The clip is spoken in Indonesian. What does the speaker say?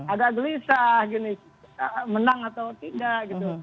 agak gelisah gini menang atau tidak gitu